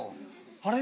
「あれ？